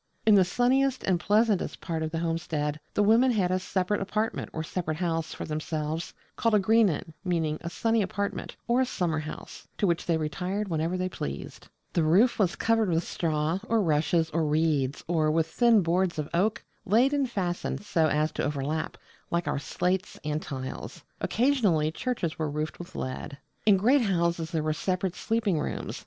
In the sunniest and pleasantest part of the homestead the women had a separate apartment or a separate house for themselves, called a 'Greenan' meaning a 'sunny apartment' or a summer house; to which they retired whenever they pleased. The roof was covered with straw, or rushes, or reeds, or with thin boards of oak, laid and fastened so as to overlap, like our slates and tiles. Occasionally churches were roofed with lead. In great houses there were separate sleeping rooms.